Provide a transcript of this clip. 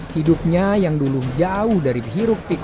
hidupnya yang dulu jauh dari dihirup pikiran